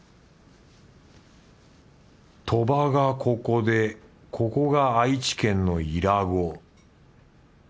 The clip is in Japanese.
鳥羽がここでここが愛知県の伊良湖。